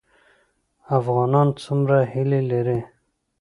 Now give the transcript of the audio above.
افغانان څومره هیلې لري؟